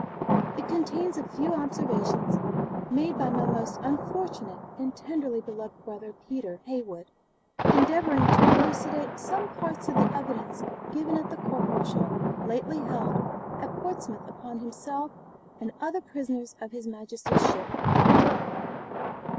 It contains a few observations made by my most unfortunate and tenderly beloved brother, Peter Heywood, endeavouring to elucidate some parts of the evidence given at the court martial lately held at Portsmouth upon himself and other prisoners of his Majesty's ship Bounty.